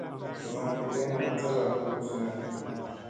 Sa ma geɗeŋ saɓk duguzina.